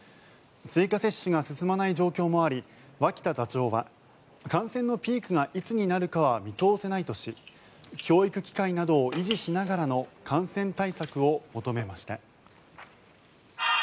追加接種が進まない状況もあり脇田座長は感染のピークがいつになるかは見通せないとし教育機会などを維持しながらの感染対策を求めました。